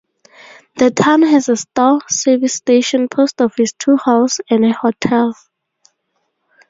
The town has a store, service station, post office, two halls, and a hotel.